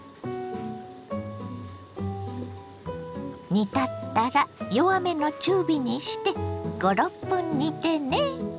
煮立ったら弱めの中火にして５６分煮てね。